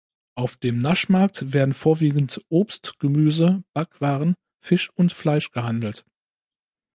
Auf dem Naschmarkt werden vorwiegend Obst, Gemüse, Backwaren, Fisch und Fleisch gehandelt.